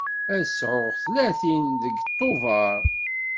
Ad sɛuɣ tlatin deg Tubeṛ.